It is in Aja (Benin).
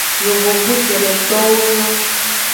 Yovogbu ce:detowo nyon.